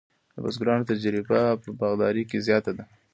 د بزګرانو تجربه په باغدارۍ کې زیاته ده.